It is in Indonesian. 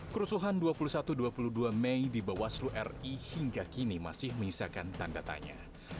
kerusuhan dua puluh satu dua puluh dua mei di bawaslu ri hingga kini masih menyisakan tanda tanya